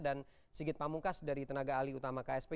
dan sigit pamungkas dari tenaga ahli utama ksp